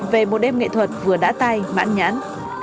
về một đêm nghệ thuật vừa đã tay mãn nhắn